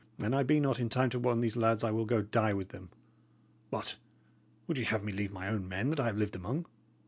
"An I be not in time to warn these lads, I will go die with them. What! would ye have me leave my own men that I have lived among.